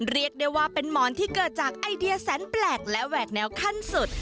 เรียกได้ว่าเป็นหมอนที่เกิดจากไอเดียแสนแปลกและแหวกแนวขั้นสุด